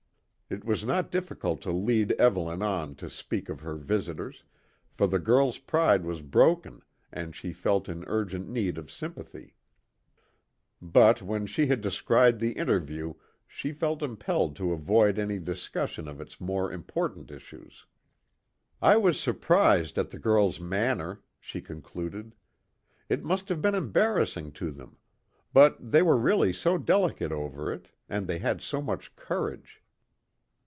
It was not difficult to lead Evelyn on to speak of her visitors, for the girl's pride was broken and she felt in urgent need of sympathy; but when she had described the interview she felt impelled to avoid any discussion of its more important issues. "I was surprised at the girl's manner," she concluded. "It must have been embarrassing to them; but they were really so delicate over it, and they had so much courage."